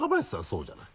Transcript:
そうじゃない。